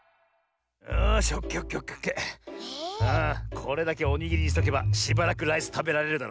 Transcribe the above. これだけおにぎりにしとけばしばらくライスたべられるだろ。